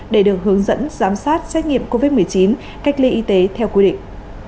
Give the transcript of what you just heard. để được hướng dẫn giám sát xét nghiệm covid một mươi chín cách ly y tế theo quy định